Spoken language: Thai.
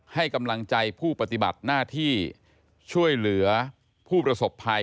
ให้กำลังใจผู้ปฏิบัติหน้าที่ช่วยเหลือผู้ประสบภัย